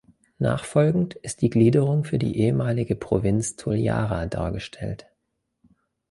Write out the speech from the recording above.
Nachfolgend ist die Gliederung für die ehemalige Provinz Toliara dargestellt.